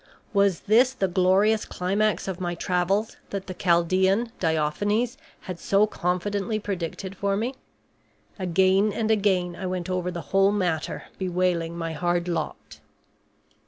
Was this the glorious climax of my travels that the Chaldean, Diophanes, had so confidently predicted for me? Again and again I went over the whole matter bewailing my hard lot.